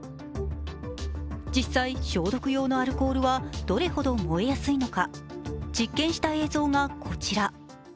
実際、消毒用のアルコールはどれほど燃えやすいのか、実験した映像がこちら。